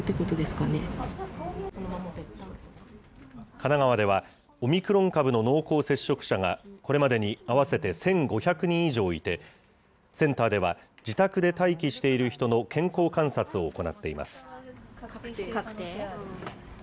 神奈川では、オミクロン株の濃厚接触者が、これまでに合わせて１５００人以上いて、センターでは、自宅で待機している人の健康観察を行っています。